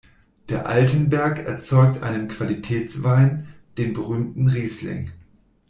Der Altenberg erzeugt einen Qualitätswein, den berühmten Riesling".